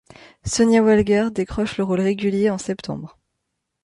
Sonya Walger décroche le rôle régulier en septembre.